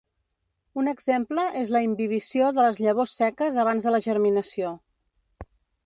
Un exemple és la imbibició de les llavors seques abans de la germinació.